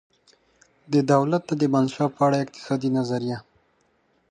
د دولته دمنشا په اړه اقتصادي نظریه